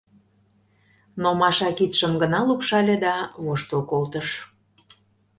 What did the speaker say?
Но Маша кидшым гына лупшале да воштыл колтыш.